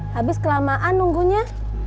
habis kelamaan nunggunya